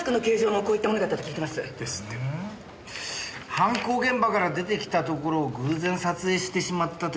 犯行現場から出て来たところを偶然撮影してしまったという事か。